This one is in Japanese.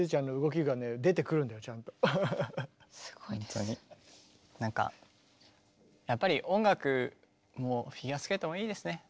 ほんとになんかやっぱり音楽もフィギュアスケートもいいですね。